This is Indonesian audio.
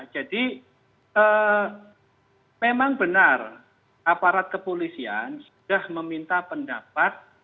jadi memang benar aparat kepolisian sudah meminta pendapat